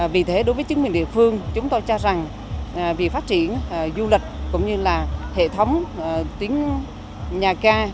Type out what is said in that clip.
vì thế đối với chứng minh địa phương chúng tôi cho rằng vì phát triển du lịch cũng như là hệ thống tiếng nhà gai